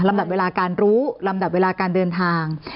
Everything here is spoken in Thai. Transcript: ดับเวลาการรู้ลำดับเวลาการเดินทาง